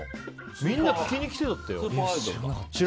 みんな聴きに来てたってよ。